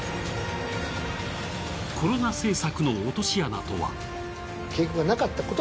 コロナ政策の落とし穴とは。